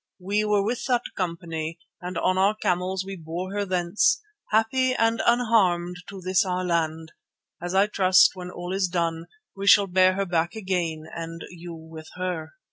We were with that company and on our camels we bore her thence, happy and unharmed to this our land, as I trust, when all is done, we shall bear her back again and you with her."